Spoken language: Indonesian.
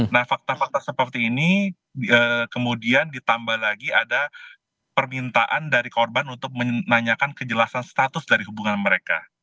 nah fakta fakta seperti ini kemudian ditambah lagi ada permintaan dari korban untuk menanyakan kejelasan status dari hubungan mereka